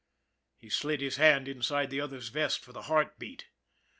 He slid his hand inside the other's vest for the heart beat.